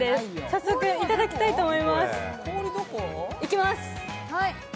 早速、いただきたいと思います。